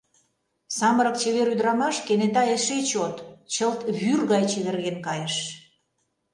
Самырык чевер ӱдырамаш кенета эше чот, чылт вӱр гай чеверген кайыш.